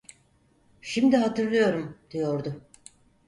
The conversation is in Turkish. "Şimdi hatırlıyorum!" diyordu.